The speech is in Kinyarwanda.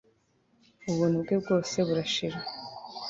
Ubuntu bwe bwose burashira